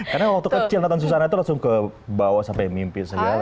karena waktu kecil nonton susana itu langsung ke bawah sampai mimpi segala nih